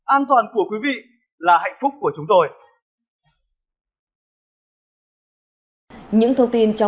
an toàn của quý vị là hạnh phúc